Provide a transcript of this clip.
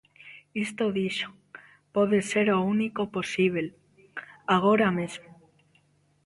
Isto, dixo, pode ser o único posíbel, agora mesmo.